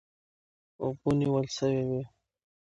اوبه نیول سوې وې.